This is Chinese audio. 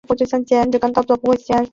法国小说家将其生平小说化。